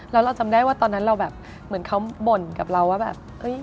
แล้วเราจำได้ว่าตอนนั้นเราแบบเหมือนเขาบ่นกับเราว่าแบบ